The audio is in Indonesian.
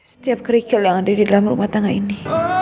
setiap kerikil yang ada di dalam rumah tangga ini